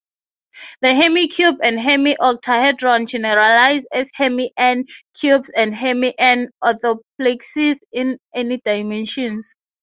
The hemi-cube and hemi-octahedron generalize as hemi-"n"-cubes and hemi-"n"-orthoplexes in any dimensions.